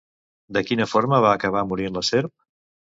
De quina forma va acabar morint la serp?